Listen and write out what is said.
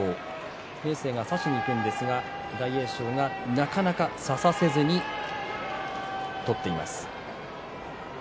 明生は差しにいくんですが大栄翔がなかなか差させずに取っています。